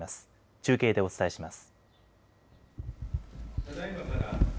中継でお伝えします。